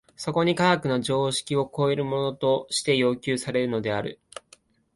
そこに科学が常識を超えるものとして要求されるのである。